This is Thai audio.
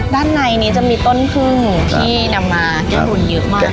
ด้านในนี้จะมีต้นพึ่งที่นำมาแก้บุญเยอะมาก